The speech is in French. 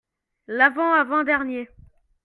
L'avant avant-dernier.